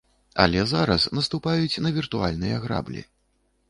Але зараз наступаюць на віртуальныя граблі.